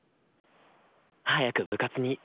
早く部活に。